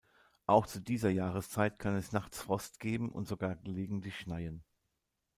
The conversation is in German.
Auch zu dieser Jahreszeit kann es nachts Frost geben und sogar gelegentlich schneien.